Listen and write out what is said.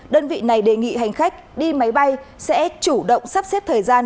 đơn vị này đề nghị hành khách đi máy bay sẽ chủ động sắp xếp thời gian